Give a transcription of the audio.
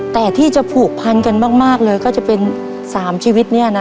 แต่ที่จะผูกพันกันมากเลยก็จะเป็น๓ชีวิตเนี่ยนะ